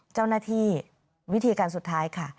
เจ้าหน้าที่วิธีการสุดท้ายค่ะ